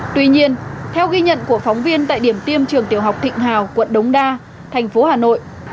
tuy nhiên theo ghi nhận của phóng viên tại điểm tiêm trường tiểu học thịnh hào quận đống đa thành phố hà nội